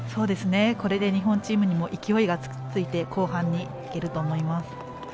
これで日本チームにも勢いがついて後半にいけると思います。